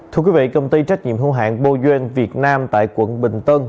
thưa quý vị công ty trách nhiệm hương hạn bô duên việt nam tại quận bình tân